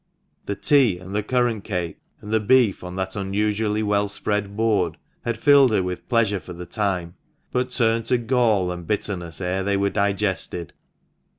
The tea, and the currant cake, and the beef, on that unusually well spread board, had filled her with pleasure for the time, but turned to gall and bitterness ere they were digested.